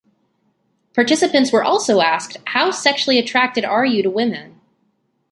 Participants were also asked How sexually attracted are you to women?